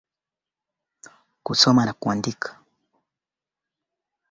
Kulikuwa na magari mengi yameegeshwa na Jacob alihisi kuna hatari mbele yake